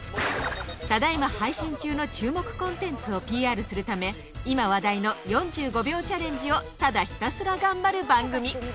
ただいま配信中の注目コンテンツをＰＲするため今話題の４５秒チャレンジをただひたすら頑張る番組。